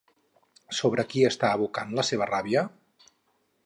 Sobre qui està abocant la seva ràbia?